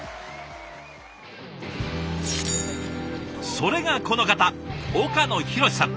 それがこの方岡野寛さん。